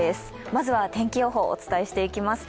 まずは天気予報をお伝えしていきます。